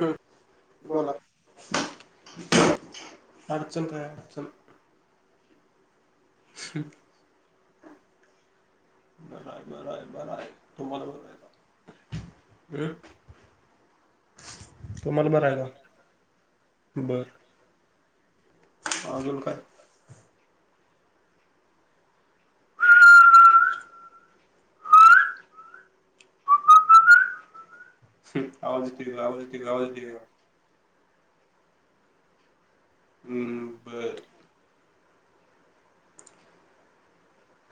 हम बोला, [unintelligible] अडचण काय तूमचं? अ ह म बरं आहे, बरं आहे, बरं आहे तुम्हाला बरंय आहे का? [unintelligible] तुम्हाला बरं आहे का? बरं! अजून काय? हुं आवाज येतोय का? आवाज येतोय का? आवाज येतोय का? आवाज येतोय का? हम्म! बरं.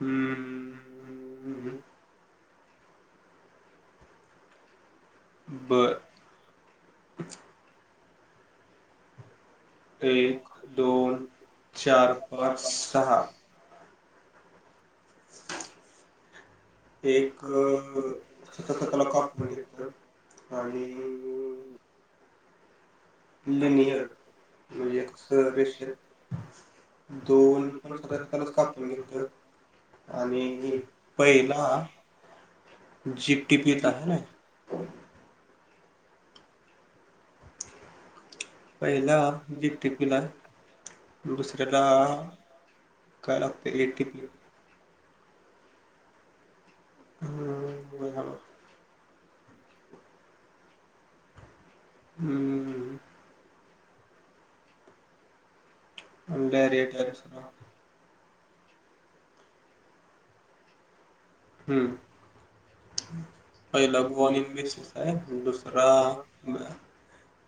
हम बरं. एक, दोन, चार, पाच, सहा. एक स्वतः स्वतःला [unintelligible] देतात आणि लेनीयर आणि म्हणजे, असं रेशण. दोन पण [unintelligible] आणि ही पहिला जीपटीपीचा आहे ना. पहिला जीटीपीला दुसऱ्याला काय लागत? एटिपि हुं मजा म्हा. हम ह [unintelligible] हम. पहिला काँल एक व्यस्तचं आहे, दुसरा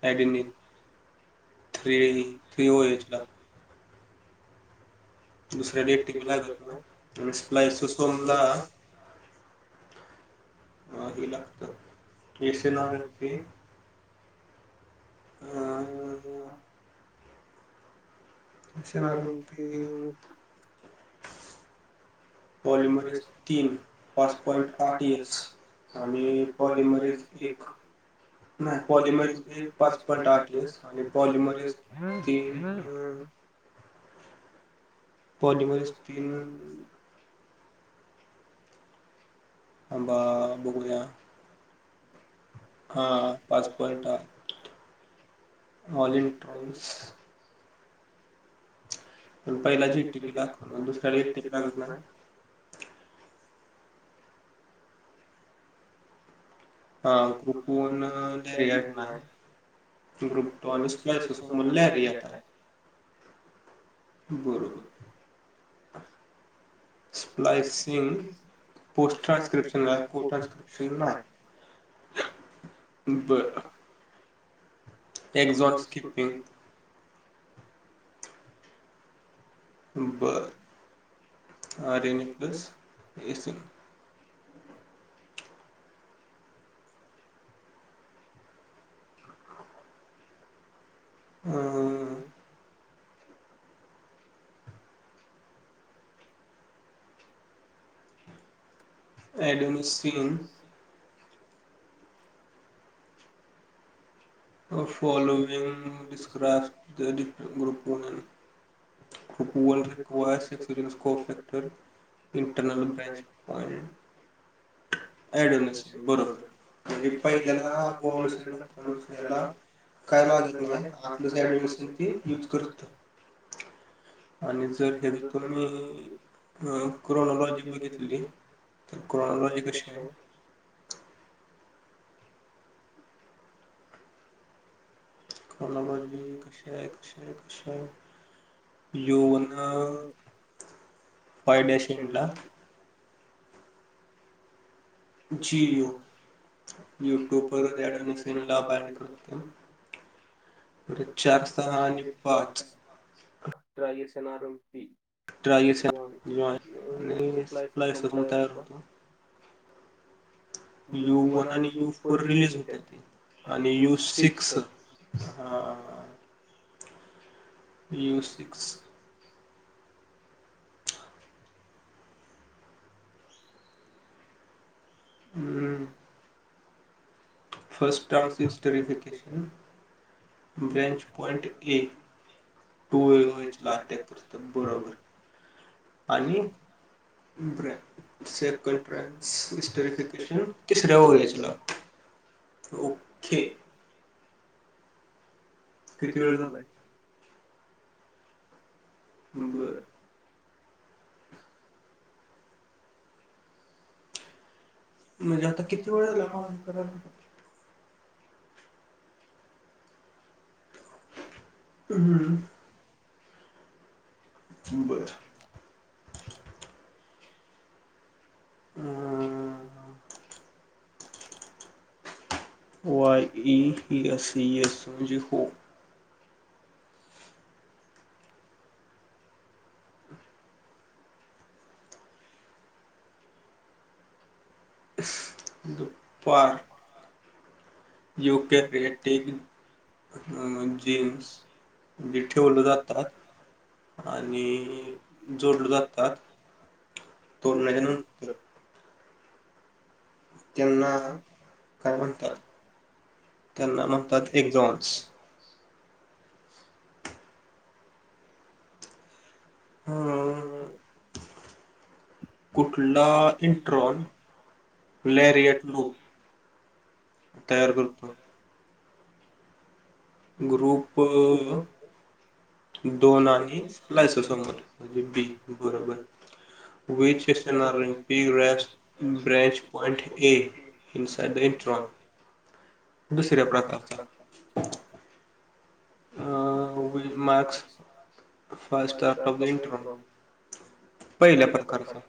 add a mean thrill three O H ला दुसऱ्या डे टीमला [unintelligible] आधी लागत, कैसे लागल ते. हा हा ह. कारण कि, वॉल्युमरस तीन पाच पॉंट आठ यस. आणि [unintelligible] केक. नाही पॉलीमल हे पाच पॉइंट आठ एस आणि पॉलीमर [unintelligible] पॉलीवाईस तीन. थांबा बघू या. हा पाच पॉइंट आठ ऑल इन ट्रॉमिस पण पहिला जी टी पी दाखवणार आणि दुसऱ्याला वेळी [unintelligible] हा खुपवण नाही एठणार. तुरुक टॉनिस प्या असं म्हणल्या रे आता. तुरूक स्प्लायसिंग पोस्ट ट्रान्स्क्रिप्शन ला को ट्रान्स्क्रिप्शन नाही. [inaudible] [unintelligible] एक्झोट स्कीपिंग. बर आर्रेनिक धिस [unintelligible] हो. Adenosine. Uh following describe the different group [unintelligible] one require sixth bean cofactor. Internal branch audit. [unintelligible] बरोबर म्हणजे पहिल्याला [unintelligible] दुसऱ्याला. काय लॉजिक नाही आपलच ऍडमिशन ते युज करत. आणि जर हे पूर्ण क क्रोनॉलॉजी बघितलेली तर क्रॉनॉलॉजी कशी आहे? क्रोनोलॉजी कशी आहे कशी आहे कशी आहे येऊन पाय डॅशिंगला जियो यूट्यूबवर रेड [unintelligible] रोज चार सहा आणि पाच ट्रायस आणि आरोपी. [unintelligible] यू वन आणि यू फोर रिलीज होत्यात ते आणि यू सिक्स हा U six hmm. First term [unintelligible] verification. Bench point ए [unintelligible] बरोबर. आणि [unintelligible] वेरिफिकेशन तिसऱ्या व्हायोलेज ला ओके. किती वेळ झालाय? बर. म्हणजे आता किती वेळ झाला [unintelligible] करायला? हम्म. बरं. हा. Y E E S C H म्हणजे हो. दुपार [unintelligible] अह जेम्स म्हणजे ठेवलं जात आत आणि जोडल जात आत तोडण्याच्या नंत तर त्यांना काय म्हणतात त्यांना म्हणतात हेग्जोंस हम्म. कुठला इंट्रोन लॅरिआ टू डू. तयार करतो. ग्रुप. दोन आणि लायस समोर म्हणजे बी बरोबर. Which session [unintelligible] branch point A. Inside the intron. दुसऱ्या प्रकारचा. Um how many marks [unintelligible] इन्क्रन. पहिल्या प्रकारचा.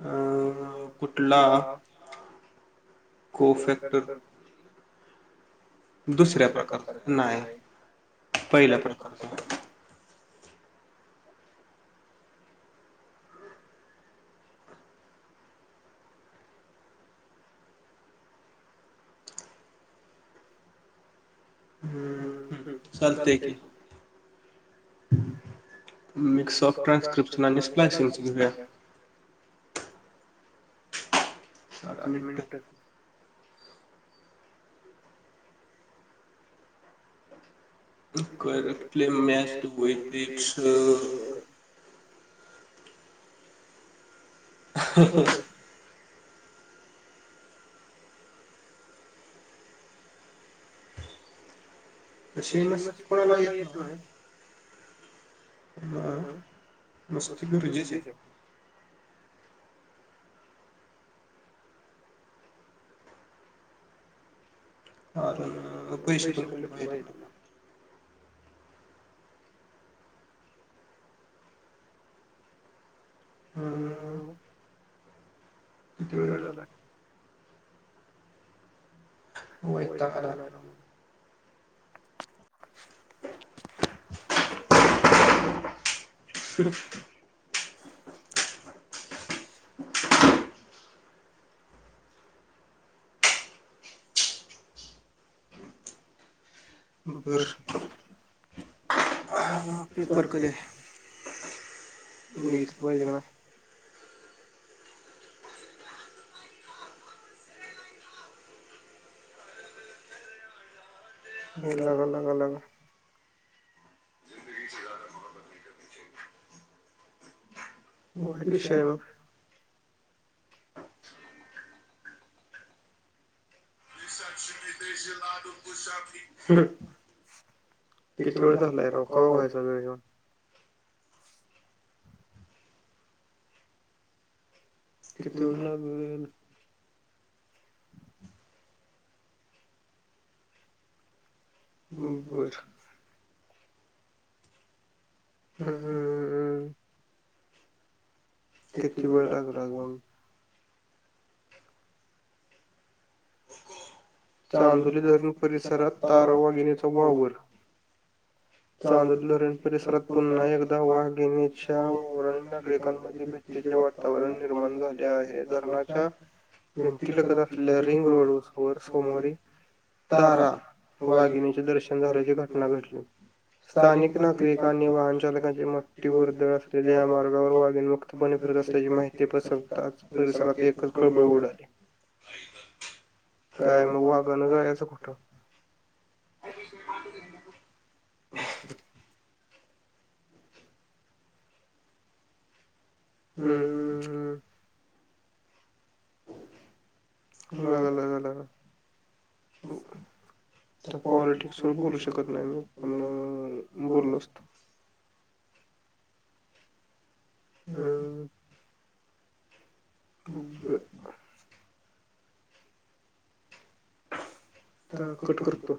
अ कुठला को फॅक्टर. दुसऱ्या प्रकार नाही पहिल्या प्रकारचा. हं चालतंय की. मग सबका खर्च [unintelligible] ताक मिनट. करेक्ट प्ले मॅच [unintelligible] [inaudible] तशी मस्त कुणाला येत नाय. [unintelligible] मस्ती गरजेचीय. [unintelligible] पैसे पण भेटली पाहिजे तेना. किती वेळ झालाय. वैताग आलाय राव म [inaudible] बरं पेपर कधीय [inaudible] लगा लगा लगा. ्‌ [unintelligible] विषय ब हम्म. किती वेळ झालाय राव कवा व्हायचा वेळ यो. किती वेळ लागेलं. रूम बरं. [inaudible] किती वेळ [unintelligible] चांदोली धरण परिसरात तार वाघीनेचा वावर. चांदली धरण परिसरात पुन्हा एकदा वाघीणेच्या वरण नागरिकांमध्ये भितीचे वातावरण निर्माण झा ते आहे धरणाच्या भिंती लगत असलेल्या रिंग रोड समोर सोमवारी तारा वाघिणीचे दर्शन झाल्याची घटना घडली. स्थानिक नागरिकांनी वाहन चालकांची मोठी वर्दळ असलेल्या या मार्गावर वाघिण बणे फिरत असल्याची माहिती पसरताच परिसरात एकच खळबळ उडाली. काय मग वाघान जायचं कुठं? [inaudible] हम्म हम् हम्. मला नाही झालं का? तर पॉलिटिक्स व बोलू शकत नाही मी पण बोललोचत हम ब तर कट करतो